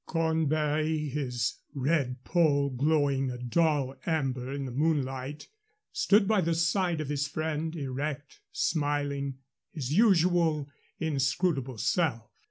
Cornbury, his red poll glowing a dull ember in the moonlight, stood by the side of his friend, erect, smiling his usual inscrutable self.